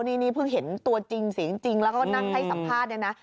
นี่เพิ่งเห็นตัวจริงเสียงจริงแล้วก็นั่งให้สัมภาษณ์เนี่ยนะ